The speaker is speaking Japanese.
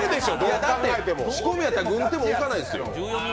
仕込みやったら軍手も置かないですよ。